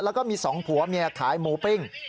แล้วก็มีสองผัวขายหมูปิ้ง